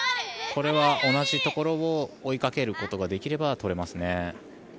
これは同じところを追いかけることができれば取れますね。